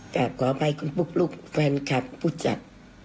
กลับขออภัยคุณปุ๊กลุ๊กแฟนคลับผู้จัด